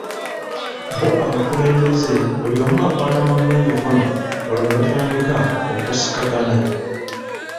Bo abakulembeze, buli omu akwata munne emikono olwo ne batandika okusikagana.